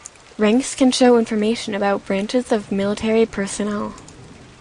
Ranks can show information about branches of military personnel.